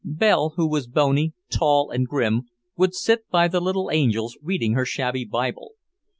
Belle, who was bony, tall and grim, would sit by the little angels reading her shabby Bible.